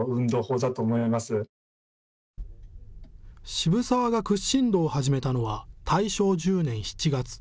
渋沢が屈伸道を始めたのは大正１０年７月。